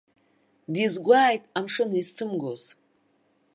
Дизгәааит амшын изҭымгоз.